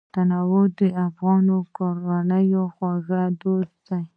تنور د افغاني کورنۍ خوږ دود دی